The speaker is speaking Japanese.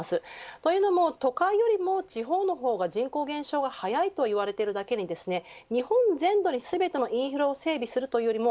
というのも、都会よりも地方の方が人口減少が早いと言われているだけに日本全土に全てのインフラを整備するというよりは